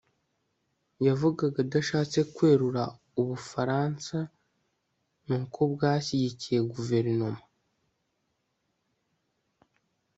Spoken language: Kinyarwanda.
Yavugaga adashatse kwerura u Bufaransa n uko bwashyigikiye Guverinoma